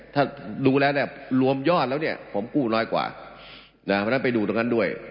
ถ้าดูแล้วรวมยอดแล้วผมกู้น้อยกว่าไปดูตรงนั้นด้วย